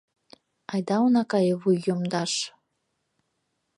Айда она кае вуй йомдаш